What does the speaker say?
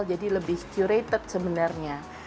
jadi lebih curated sebenarnya